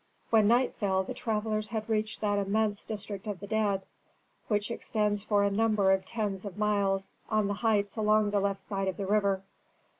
When night fell the travellers had reached that immense district of the dead, which extends for a number of tens of miles on the heights along the left side of the river.